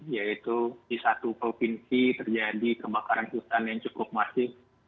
yaitu di satu provinsi terjadi kebakaran hutan yang cukup masif